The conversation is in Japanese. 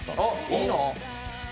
いいの？